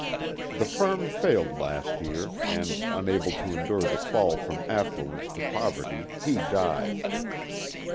The firm failed last year, and unable to endure the fall from affluence to poverty he died.